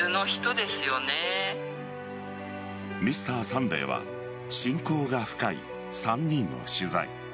「Ｍｒ．サンデー」は親交が深い３人を取材。